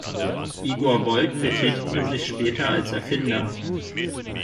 Igor Wolk betätigte sich später als Erfinder.